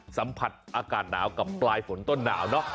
สัมผัสอากาศหนาวกับปลายฝนต้นหนาวเนอะ